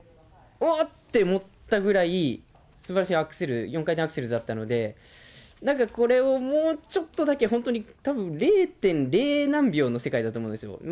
おって思ったぐらい、すばらしいアクセル、４回転アクセルだったので、なんかこれを、もうちょっとだけ、本当にたぶん、０．０何秒の世界だと思うんですよ。